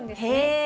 へえ。